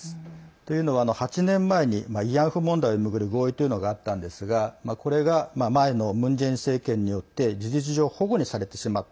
というのは、８年前に慰安婦問題を巡る合意というのがあったんですがこれが前のムン・ジェイン政権によって事実上ほごにされてしまった。